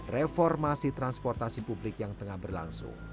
reformasi transportasi publik yang tengah berlangsung